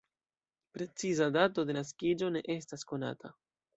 Preciza dato de naskiĝo ne estas konata.